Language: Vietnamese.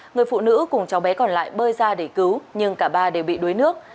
người phụ nữ cùng cháu bé còn lại bơi ra để cứu nhưng cả ba đều bị đuối nước